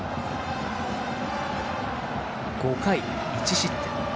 ５回、１失点。